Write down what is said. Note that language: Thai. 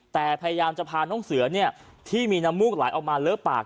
แต่พยายามจะพาน้องเสือที่มีน้ำมูกไหลออกมาเลอะปาก